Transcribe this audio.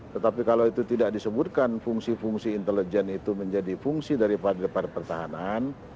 tetapi kalau itu tidak disebutkan fungsi fungsi intelijen itu menjadi fungsi daripada pertahanan